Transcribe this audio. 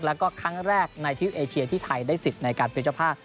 แล้วก็ครั้งแรกในทวิปเอเชียที่ไทยได้สิทธิ์ในการเป็นเจ้าภาพ